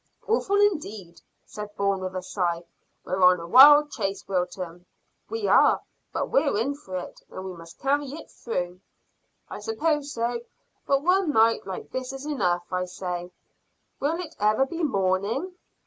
"Awful indeed," said Bourne, with a sigh. "We're on a wild chase, Wilton." "We are; but we're in for it, and we must carry it through." "I suppose so; but one night like this is enough. I say, will it ever be morning?"